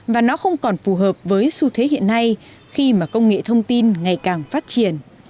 và nó không còn phù hợp với xu thế hiện nay khi mà công nghệ thông tin ngày càng phát triển